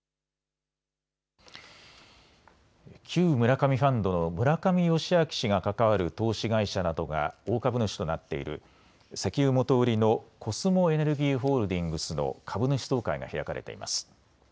旧村上ファンドの村上世彰氏が関わる投資会社などが大株主となっている石油元売りのコスモエネルギーホールディングスの株主総会が開かれています。